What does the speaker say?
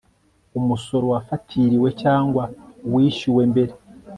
umusoro wafatiriwe cyangwa wishyuwe mbere